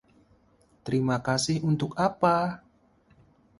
Terima kasih untuk apa?